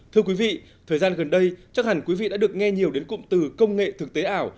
thưa quý vị thời gian gần đây chắc hẳn quý vị đã được nghe nhiều đến cụm từ công nghệ thực tế ảo